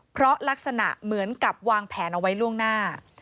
เพราะลักษณะเหมือนกับวางแผนเอาไว้ล่วงหน้า